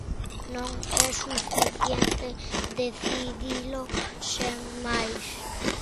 Non é suficiente decidilo sen máis.